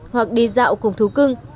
hoặc đi dạo cùng thú cưng